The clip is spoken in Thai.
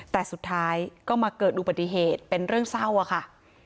แต่สุดท้ายก็มาเกิดอุบัติเหตุเป็นเรื่องเศร้าอะค่ะ